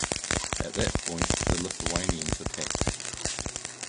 At that point the Lithuanians attacked.